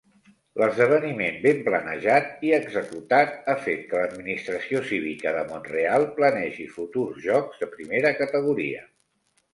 L'esdeveniment ben planejat i executat ha fet que l'administració cívica de Mont-real planegi futurs jocs de primera categoria.